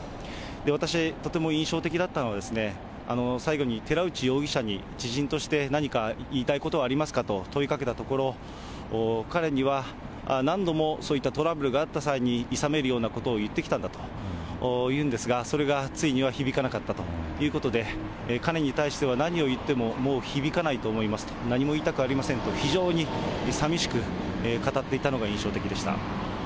私、とても印象的だったのは、最後に寺内容疑者に、知人として何か言いたいことはありますかと問いかけたところ、彼には何度もそういったトラブルがあった際にいさめるようなことを言ってきたんだというんですが、それがついには響かなかったということで、彼に対しては何を言ってももう響かないと思いますと、何も言いたくありませんと、非常にさみしく語っていたのが印象的でした。